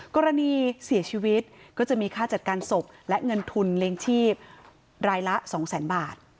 กรณีเสียชีวิตก็จะมีค่าจัดการศพและเงินทุนเลี้ยงชีพรายละสองแสนบาท